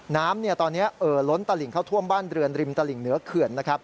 น้ำตอนนี้ล้นตะหลิงเข้าท่วมบ้านเรือนริมตะหลิงเหนือเขื่อน